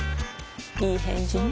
いい返事ね